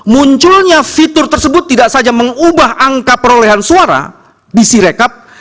munculnya fitur tersebut tidak saja mengubah angka perolehan suara di sirekap